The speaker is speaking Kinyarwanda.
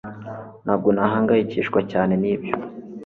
ntabwo nahangayikishwa cyane nibyo